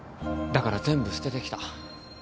だから全部捨ててきた。